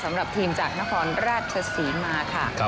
สำหรับทีมจากนครราชสีมา